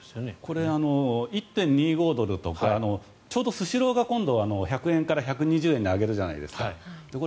これ１．２５ドルとかちょうどスシローが今度１００円から１２０円に上げるじゃないですか。